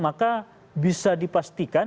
maka bisa dipastikan